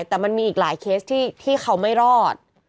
แต่มันมีอีกหลายเคสที่เขาไม่รอด